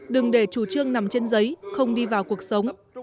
đừng để chủ trương nằm trên giấy không đi vào cuộc sống